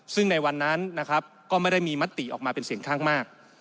ซึ่งในวันนั้นนะครับก็ไม่ได้มีมติออกมาเป็นเสียงข้างมาก